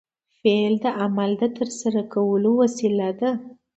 فعل د عمل د ترسره کولو وسیله ده.